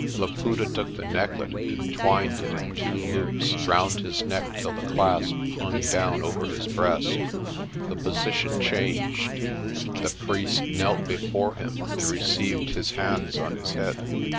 Laputa took the necklet and twined it in two loops round his neck till the clasp hung down over his breast. The position changed. The priest knelt before him and received THE CAVE OF THE ROOIRAND 139 his hands on his head.